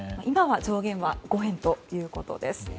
今は上限は５円ということです。